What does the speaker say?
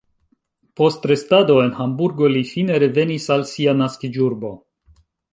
Post restado en Hamburgo li fine revenis al sia naskiĝurbo.